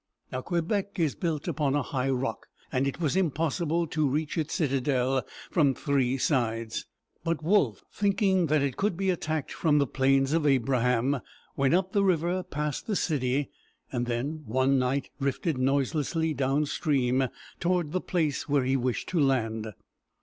Now, Quebec is built upon a high rock, and it was impossible to reach its citadel from three sides. But Wolfe, thinking that it could be attacked from the Plains of A´bra ham, went up the river past the city, and then, one night, drifted noiselessly downstream toward the place where he wished to land.